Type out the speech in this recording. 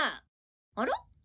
あら？